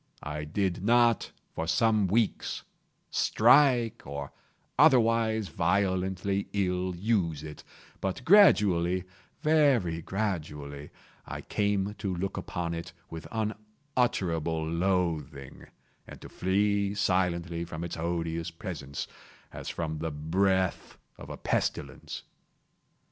I did not, for some weeks, strike, or otherwise violently ill use it; but gradually—very gradually—I came to look upon it with unutterable loathing, and to flee silently from its odious presence, as from the breath of a pestilence.